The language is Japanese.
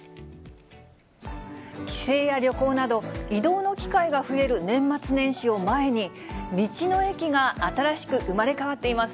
帰省や旅行など、移動の機会が増える年末年始を前に、道の駅が新しく生まれ変わっています。